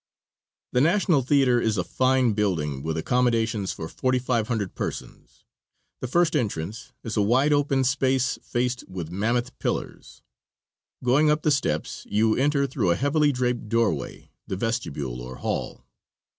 The National Theater is a fine building with accommodations for 4,500 persons. The first entrance is a wide open space faced with mammoth pillars. Going up the steps you enter, through a heavily draped doorway, the vestibule or hall.